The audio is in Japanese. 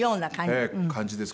ええ感じです。